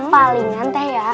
paling nanteh ya